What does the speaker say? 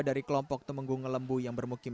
dari kelompok temenggung ngelembu yang bermukim